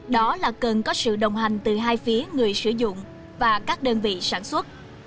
đó là cần có sự đồng hành từ hai phía người sử dụng và các đơn vị sản xuất